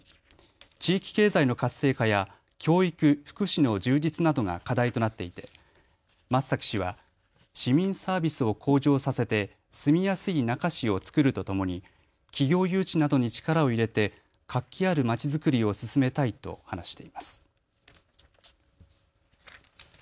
地域経済の活性化や教育、福祉の充実などが課題となっていて先崎氏は市民サービスを向上させて住みやすい那珂市をつくるとともに企業誘致などに力を入れて活気あるまちづくりを進めたいと話しています。